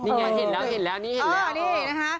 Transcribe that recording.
นี่ไงเห็นแล้วพร้อมนะคะ